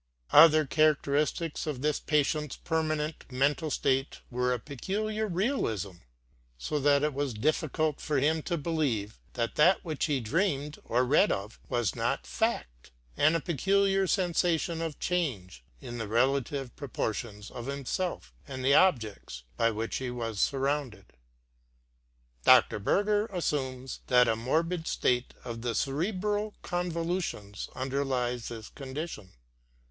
Other characteristics of this patient's permanent mental state were a peculiar realism, so that it was difficult for him to believe that that which he dreamed or read of was not fact, and a peculiar sensation of change in the relative pro portions of himself and the objects by which he was surrounded. Dr. Berger assumes that a morbid state of the cerebral convolu tions underlies this condition.